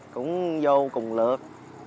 cũng vô cùng lượt